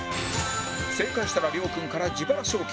正解したら亮君から自腹賞金